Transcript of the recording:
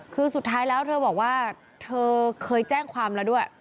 คือสุดท้ายแล้วเธอบอกว่าเธอเคยแจ้งความแล้วด้วย